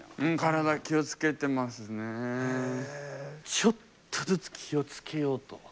ちょっとずつ気を付けようと。